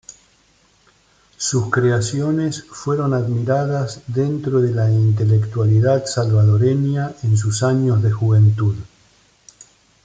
Sus creaciones fueron admiradas dentro de la intelectualidad salvadoreña en sus años de juventud.